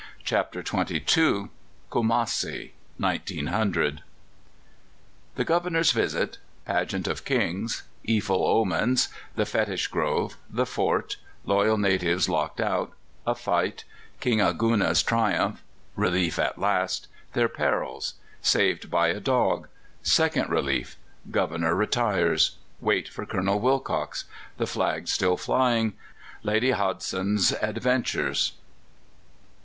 "MUHAMMED, THE SON OF ABDULLAH." CHAPTER XXII KUMASSI (1900) The Governor's visit Pageant of Kings Evil omens The Fetish Grove The fort Loyal natives locked out A fight King Aguna's triumph Relief at last Their perils Saved by a dog Second relief Governor retires Wait for Colonel Willcocks The flag still flying Lady Hodgson's adventures.